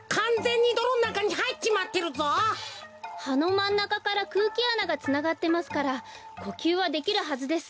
まんなかからくうきあながつながってますからこきゅうはできるはずです。